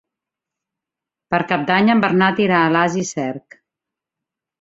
Per Cap d'Any en Bernat irà a Alàs i Cerc.